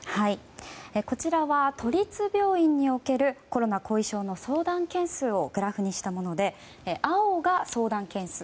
こちらは都立病院におけるコロナ後遺症の相談件数をグラフにしたもので青が相談件数。